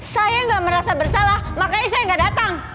saya gak merasa bersalah makanya saya gak datang